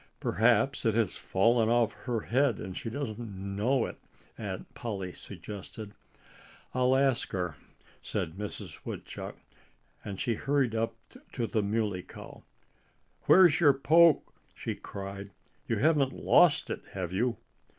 "Perhaps it has fallen off her head and she doesn't know it," Aunt Polly suggested. "I'll ask her," said Mrs. Woodchuck. And she hurried up to the Muley Cow. "Where's your poke?" she cried. "You haven't lost it have you?"